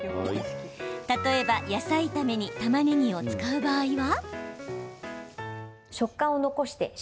例えば、野菜炒めにたまねぎを使う場合は。